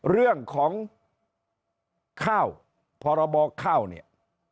เรื่องของข้าวพรบข้าวเนี่ย